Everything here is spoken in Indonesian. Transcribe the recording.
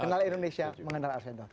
kenal indonesia mengenal arswendo